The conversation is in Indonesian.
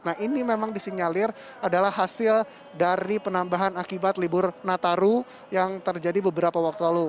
nah ini memang disinyalir adalah hasil dari penambahan akibat libur nataru yang terjadi beberapa waktu lalu